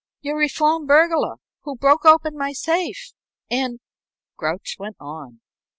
"Your reformed burglar, who broke open my safe, and " Grouch went on.